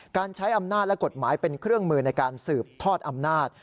การใช้อำนาจและกฎหมายเป็นเครื่องมือในการสืบทอดอำนาจ